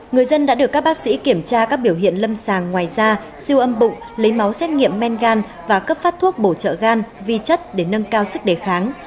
người dân đã được các bác sĩ kiểm tra các biểu hiện lâm sàng ngoài da siêu âm bụng lấy máu xét nghiệm men gan và cấp phát thuốc bổ trợ gan vi chất để nâng cao sức đề kháng